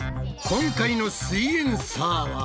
今回の「すイエんサー」は？